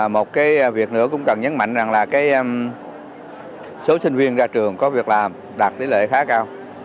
một cái việc nữa cũng cần nhấn mạnh rằng là số sinh viên ra trường có việc làm đạt tỷ lệ khá cao